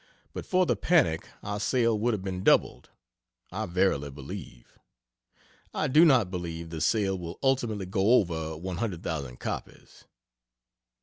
But for the panic our sale would have been doubled, I verily believe. I do not believe the sale will ultimately go over 100,000 copies.